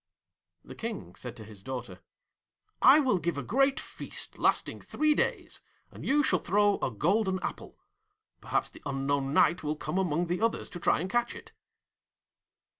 The King said to his daughter, 'I will give a great feast lasting three days, and you shall throw a golden apple. Perhaps the unknown Knight will come among the others to try and catch it.'